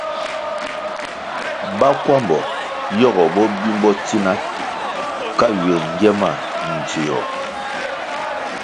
Bakwambo yogo bo bimbo tsina ka ywe ngie ma ndzio.